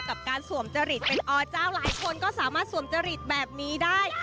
กับการสวมจริตเป็นอเจ้าหลายคนก็สามารถสวมจริตแบบนี้ได้